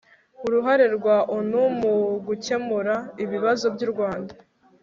uruhare rwa onu mu gukemura ibibazo by'u rwanda